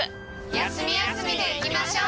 休み休みでいきましょう。